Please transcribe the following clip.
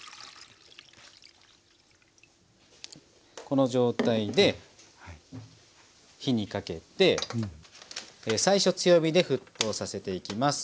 この状態で火にかけて最初強火で沸騰させていきます。